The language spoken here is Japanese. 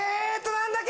何だっけ？